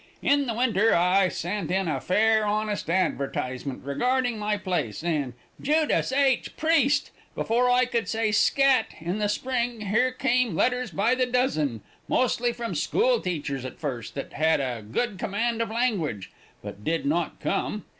In the winter I sent in a fair, honest, advertisement regarding my place, and, Judas H. Priest! before I could say 'scat' in the spring, here came letters by the dozen, mostly from school teachers at first, that had a good command of language, but did not come.